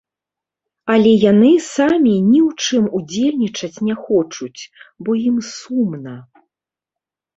Але яны самі ні ў чым удзельнічаць не хочуць, бо ім сумна.